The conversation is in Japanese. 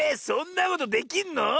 そんなことできんの？